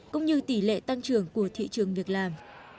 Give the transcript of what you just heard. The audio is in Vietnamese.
cũng như tỷ lệ tăng trưởng của thị trường việc làm